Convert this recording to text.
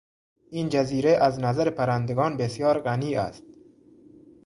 این جزیره از نظر پرندگان بسیار غنی است.